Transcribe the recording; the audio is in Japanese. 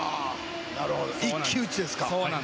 一騎打ちですか。